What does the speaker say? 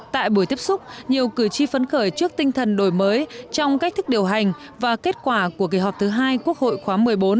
tại buổi tiếp xúc nhiều cử tri phấn khởi trước tinh thần đổi mới trong cách thức điều hành và kết quả của kỳ họp thứ hai quốc hội khóa một mươi bốn